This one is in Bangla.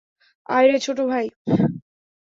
আয় রে, ছোট ভাই।